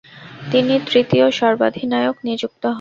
তিনি তৃতীয় সর্বাধিনায়ক নিযুক্ত হন।